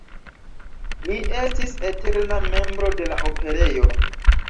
Li estis eterna membro de la Operejo.